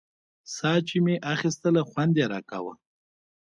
ساه چې مې اخيستله خوند يې راکاوه.